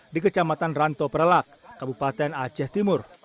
di kecamatan ranto perelak kabupaten aceh timur